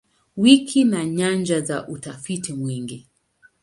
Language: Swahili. Wiki ni nyanja za utafiti mwingi.